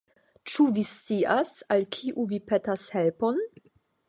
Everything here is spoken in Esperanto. Ĉu vi scias, al kiu vi petas helpon?